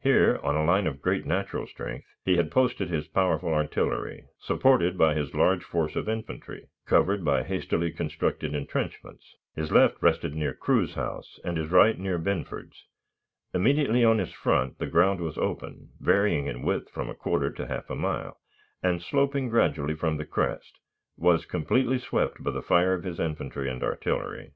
Here, on a line of great natural strength, he had posted his powerful artillery, supported by his large force of infantry, covered by hastily constructed intrenchments. His left rested near Crew's house and his right near Binford's. Immediately in his front the ground was open, varying in width from a quarter to half a mile, and, sloping gradually from the crest, was completely swept by the fire of his infantry and artillery.